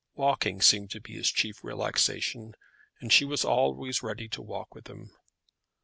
Walking seemed to be his chief relaxation, and she was always ready to walk with him.